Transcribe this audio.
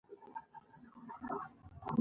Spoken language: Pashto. رقیب زما د ځواکمنېدو لامل دی